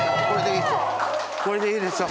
これでいいっすよ